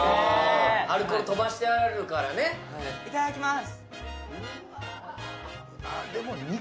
アルコール飛ばしてあるからねいただきます！